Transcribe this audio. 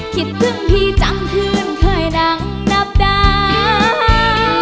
คิดถึงพี่จังเพื่อนเคยดังดับดาบ